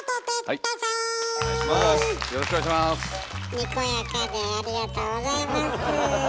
にこやかでありがとうございます。